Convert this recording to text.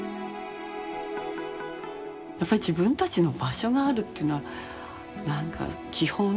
やっぱ自分たちの場所があるっていうのはなんか基本？